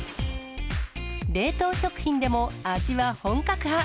冷凍食品でも味は本格派。